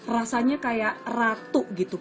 rasanya kayak ratu gitu